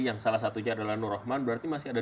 yang salah satunya adalah nur rahman berarti masih ada